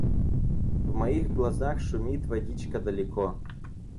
В моих глазах шумит водичка далеко.